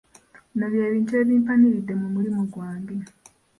Bino bye bintu ebimpaniridde mu mulimo gwange.